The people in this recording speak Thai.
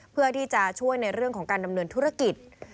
เพื่อที่จะช่วยในเรื่องของการดำเนินธุรกิจ